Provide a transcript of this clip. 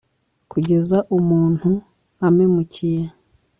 kugeza umuntu ampemukiye